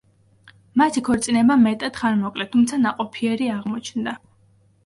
მათი ქორწინება მეტად ხანმოკლე, თუმცა ნაყოფიერი აღმოჩნდა.